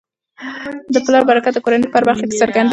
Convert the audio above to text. د پلار برکت د کورنی په هره برخه کي څرګند وي.